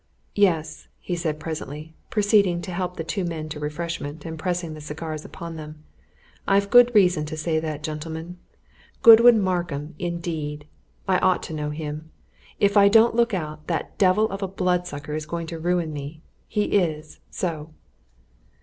"Yes!" he said presently, proceeding to help the two men to refreshment, and pressing the cigars upon them, "I've good reason to say that, gentlemen! Godwin Markham, indeed! I ought to know him! If I don't look out, that devil of a bloodsucker is going to ruin me he is, so!"